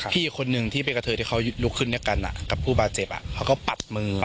อีกคนนึงที่ไปกับเธอที่เขาลุกขึ้นด้วยกันกับผู้บาดเจ็บเขาก็ปัดมือ